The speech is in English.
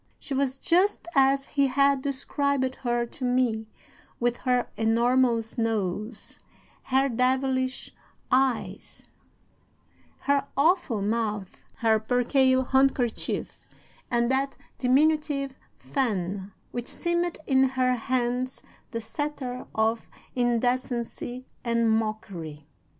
She was just as he had described her to me with her enormous nose, her devilish eyes, her awful mouth, her percale handkerchief, and that diminutive fan which seemed in her hands the sceptre of indecency and mockery.